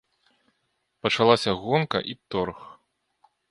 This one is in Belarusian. Пачалася гонка і торг.